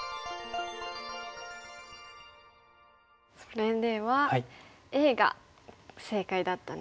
それではＡが正解だったんですね。